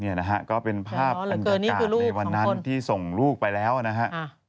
นี่นะฮะก็เป็นภาพบรรยากาศในวันนั้นที่ส่งลูกไปแล้วนะฮะ